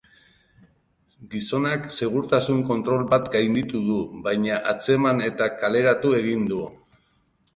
Gizonak segurtasun kontrol bat gainditu du, baina atzeman eta kaleratu egin du.